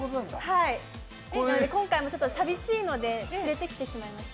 寂しいので連れてきてしまいました。